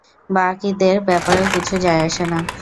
বাকিদের ব্যাপারে কিছু যায় আসে না।